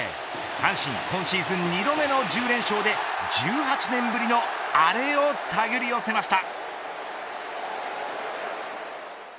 阪神今シーズン２度目の１０連勝で１８年ぶりのアレをたぐり寄せました。